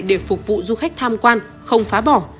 để phục vụ du khách tham quan không phá bỏ